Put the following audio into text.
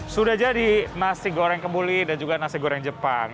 sudah jadi nasi goreng kembuli dan juga nasi goreng jepang